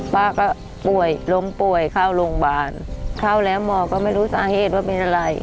ป้าก็ป่วยล้มป่วยเข้าโรงพยาบาลเข้าแล้วหมอก็ไม่รู้สาเหตุว่าเป็นอะไร